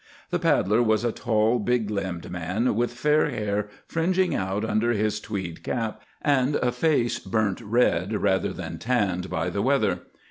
The paddler was a tall, big limbed man, with fair hair fringing out under his tweed cap, and a face burnt red rather than tanned by the weather.